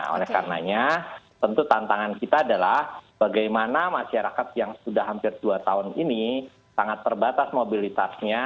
oleh karenanya tentu tantangan kita adalah bagaimana masyarakat yang sudah hampir dua tahun ini sangat terbatas mobilitasnya